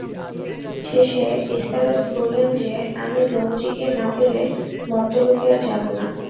শেষে ইস্তারত বললেন যে, আমি দমুজিকে না পেলে মর্ত্যলোকে আর যাব না।